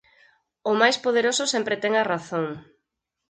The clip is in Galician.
O máis poderoso sempre ten a razón.